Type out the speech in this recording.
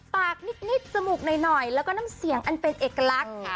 ปากนิดจมูกหน่อยแล้วก็น้ำเสียงอันเป็นเอกลักษณ์